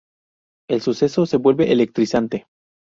El suceso se vuelve electrizante.